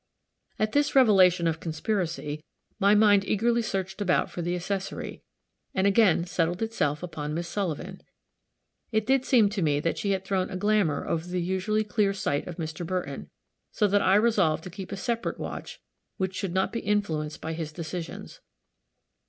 At this revelation of conspiracy, my mind eagerly searched about for the accessory, and again settled itself upon Miss Sullivan. It did seem to me that she had thrown a glamour over the usually clear sight of Mr. Burton; so that I resolved to keep a separate watch which should not be influenced by his decisions.